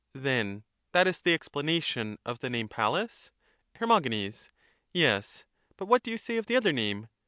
Then that is the explanation of the name Pallas? Her. Yes ; but what do you say of the other name?